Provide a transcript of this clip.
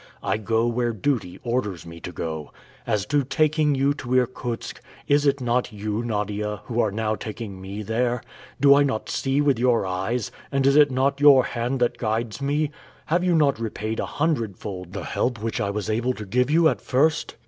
I go where duty orders me to go. As to taking you to Irkutsk, is it not you, Nadia, who are now taking me there? Do I not see with your eyes; and is it not your hand that guides me? Have you not repaid a hundred fold the help which I was able to give you at first?